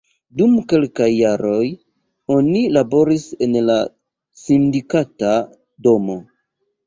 Dum kelkaj jaroj oni laboris en la Sindikata Domo.